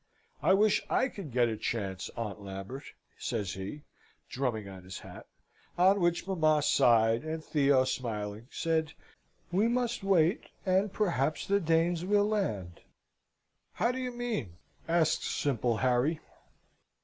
I wish I could get a chance, Aunt Lambert," says he, drumming on his hat; on which mamma sighed, and Theo, smiling, said, "We must wait, and perhaps the Danes will land." "How do you mean?" asks simple Harry.